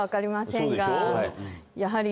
やはり。